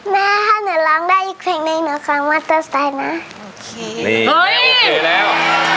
แม่ถ้าหนูร้องได้อีกเพลงหนึ่งหนูฟังมอเตอร์ไซค์นะโอเคนี่แล้ว